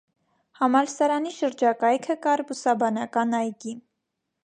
Համալսանի շրջակայքը կայ բուսաբանական այգի։